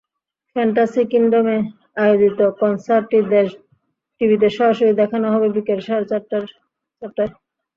Fantasy কিংডমে আয়োজিত কনসার্টটি দেশ টিভিতে সরাসরি দেখানো হবে বিকেল সাড়ে চারটায়।